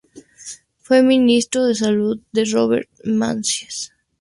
Fue Ministro de Salud de Robert Menzies.